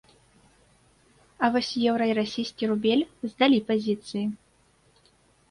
А вось еўра і расійскі рубель здалі пазіцыі.